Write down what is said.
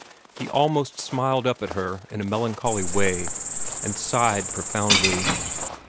He almost smiled up at her in a melancholy way, and sighed profoundly.